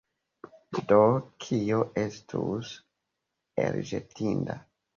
Do kio estus elĵetinda?